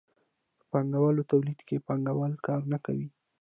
په پانګوالي تولید کې پانګوال کار نه کوي.